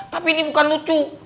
tapi ini bukan lucu